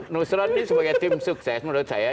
nusron ini sebagai tim sukses menurut saya